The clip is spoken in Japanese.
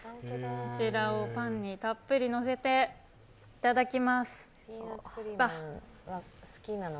こちらをパンにたっぷりのせていただきます。